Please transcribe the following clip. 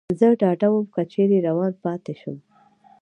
زه ډاډه ووم، که چېرې روان پاتې شم.